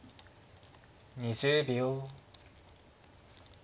２０秒。